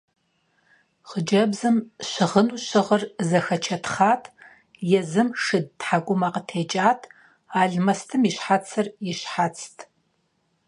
Хъыджэбзым щыгъыну щыгъыр зэхэчэтхъат, езым шыд тхьэкӀумэ къытекӀат, алмэстым и щхьэцыр и щхьэцт.